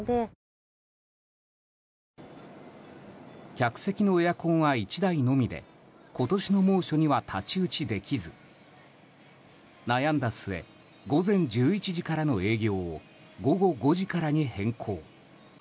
客席のエアコンは１台のみで今年の猛暑には太刀打ちできず悩んだ末午前１１時からの営業を午後５時からに変更。